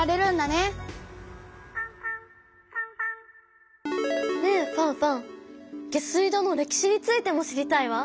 ねえファンファン下水道の歴史についても知りたいわ。